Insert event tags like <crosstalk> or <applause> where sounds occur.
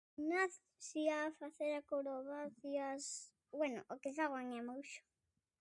<unintelligible> facer acrobacias, bueno o que fago. <unintelligible>